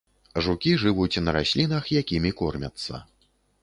Жукі жывуць на раслінах, якімі кормяцца.